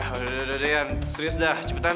itu pelatihannya pas tuh